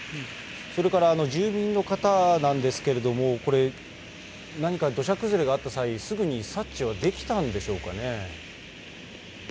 それから住民の方なんですけれども、何か土砂崩れがあった際、すぐに察知はできたんでしょうかね。